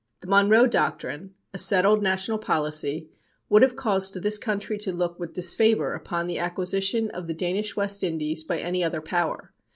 The Monroe Doctrine, a settled national policy, would have caused this country to look with disfavor upon the acquisition of the Danish West Indies by any other power.